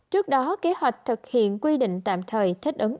trước đó kế hoạch thực hiện quy định tạm thời